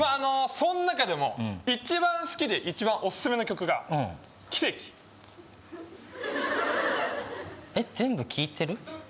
その中でも一番好きで一番オススメの曲がキセキえっ全部聴いてる？